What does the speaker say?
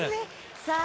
さあ、